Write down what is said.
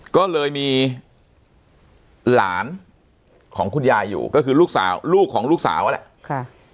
ก็เลยมีหลานของคุณยายอยู่ก็คือลูกสาวลูกของลูกสาวนั่นแหละค่ะ